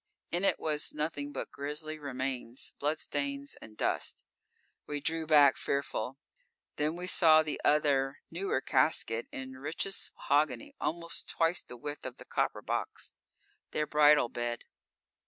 In it was nothing but grisly remains, bloodstains and dust. We drew back, fearful. Then we saw the other, newer casket in richest mahogany, almost twice the width of the copper box: _Their bridal bed!